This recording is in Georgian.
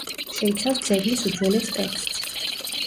შეიცავს ძეგლის უძველეს ტექსტს.